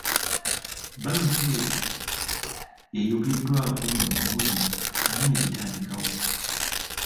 Banka eyo eyogeddwako mu mawulire, ani yagitandikawo?